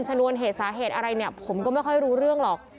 ชนวนเหตุสาเหตุอะไรเนี่ยผมก็ไม่ค่อยรู้เรื่องหรอก